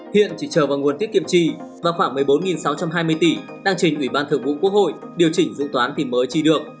hiện chỉ chờ vào nguồn tiết kiệm chi và khoảng một mươi bốn sáu trăm hai mươi tỷ đang trình ủy ban thượng vụ quốc hội điều chỉnh dự toán thì mới chi được